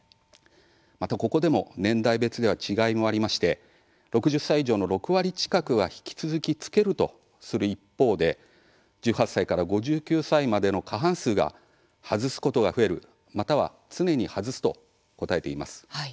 また、ここでも年代別では違いもありまして６０歳以上の６割近くは引き続きつけるとする一方で１８歳から５９歳までの過半数が外すことが増えるまたは、常に外すと答えています。